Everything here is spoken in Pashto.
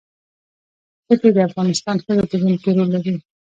ښتې د افغان ښځو په ژوند کې رول لري.